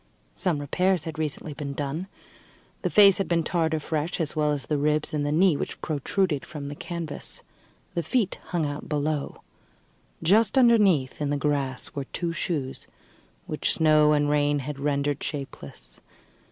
Some repairs had recently been done; the face had been tarred afresh, as well as the ribs and the knee which protruded from the canvas. The feet hung out below. Just underneath, in the grass, were two shoes, which snow and rain had rendered shapeless.